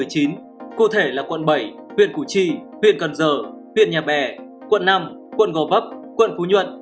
cụ thể là quận bảy huyện củ chi huyện cần giờ huyện nhà bè quận năm quận gò vấp quận phú nhuận